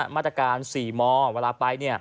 มาตรการ๔มเวลาไปเนี่ย